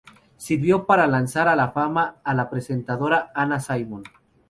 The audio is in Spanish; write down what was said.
Sirvió para lanzar a la fama a la presentadora Anna Simon.